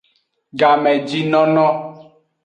Gamejinono.